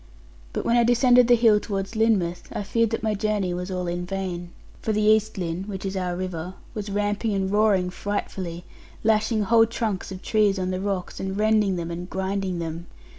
But when I descended the hill towards Lynmouth, I feared that my journey was all in vain. For the East Lynn (which is our river) was ramping and roaring frightfully, lashing whole trunks of trees on the rocks, and rending them, and grinding them.